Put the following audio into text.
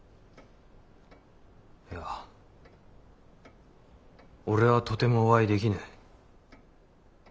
いや俺はとてもお会いできぬ。